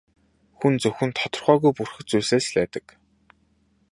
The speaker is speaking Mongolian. Хүн зөвхөн тодорхойгүй бүрхэг зүйлсээс л айдаг.